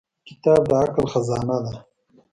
• کتاب د عقل خزانه ده.